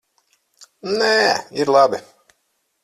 Nē, ir labi.